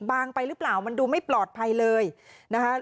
ไปหรือเปล่ามันดูไม่ปลอดภัยเลยนะคะ